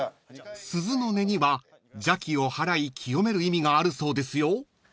［鈴の音には邪気を払い清める意味があるそうですよ］